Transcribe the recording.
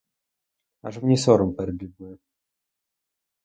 Аж мені сором перед людьми.